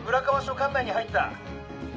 管内に入った。